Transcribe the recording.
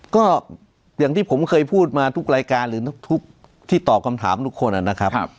ก็อย่างที่ผมเคยพูดมาทุกรายการหรือทุกที่ตอบคำถามทุกคนนะครับ